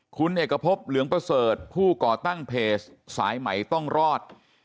คุณเอกพบเหลืองประเสริฐผู้ก่อตั้งเพจสายใหม่ต้องรอด